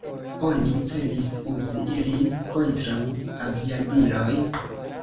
Oni celis uzi ilin kontraŭ aviadiloj.